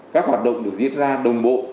các hoạt động được diễn ra đồng bộ